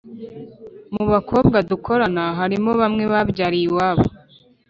Mubakobwa dukorana harimo bamwe babyariye iwabo